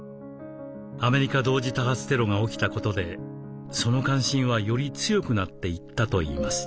アメリカ同時多発テロが起きたことでその関心はより強くなっていったといいます。